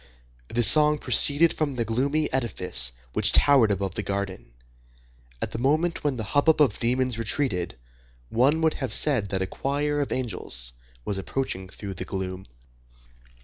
This song proceeded from the gloomy edifice which towered above the garden. At the moment when the hubbub of demons retreated, one would have said that a choir of angels was approaching through the gloom.